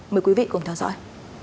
mời quý vị cùng theo dõi